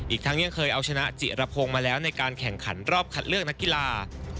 อีกทั้งยังเคยเอาชนะจิรพงศ์มาแล้วในการแข่งขันรอบคัดเลือกนักกีฬา